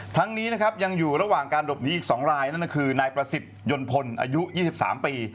ทั้งนี้นะครับยังอยู่ระหว่างการหลบหนีอีก๒รายนั่นก็คือนายประสิทธิ์ยนต์พลอายุ๒๓ปี